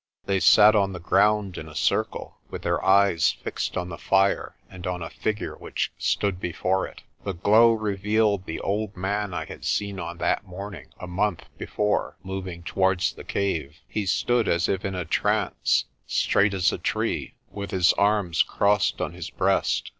They sat on the ground in a circle, with their eyes fixed on the fire and on a figure which stood before it. The glow revealed the old man I had seen on that morning a month before moving towards the cave. He stood as if in a trance, straight as a tree, with his arms crossed on his breast.